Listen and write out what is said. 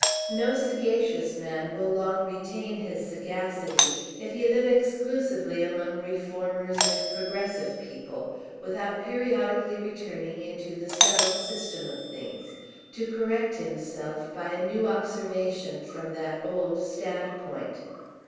No sagacious man will long retain his sagacity, if he live exclusively among reformers and progressive people, without periodically returning into the settled system of things, to correct himself by a new observation from that old standpoint.